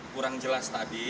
kurang jelas tadi